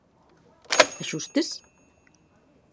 ¿Axustes?